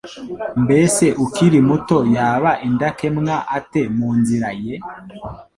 Mbese ukiri muto yaba indakemwa ate mu nzira ye?